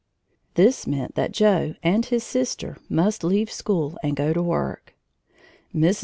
This meant that Joe and his sister must leave school and go to work. Mrs.